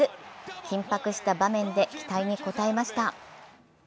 緊迫した場面で期待に応えました。